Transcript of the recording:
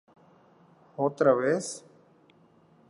Otra vez.